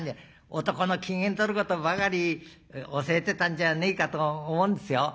男の機嫌とることばかり教えてたんじゃねえかと思うんですよ。